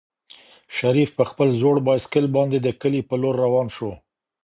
شریف په خپل زوړ بایسکل باندې د کلي په لور روان شو.